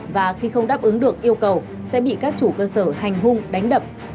và khi không đáp ứng được yêu cầu sẽ bị các chủ cơ sở hành hung đánh đập